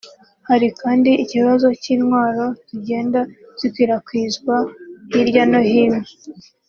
Hari kandi ikibazo cy’intwaro zigenda zikwirakwizwa hirya no hino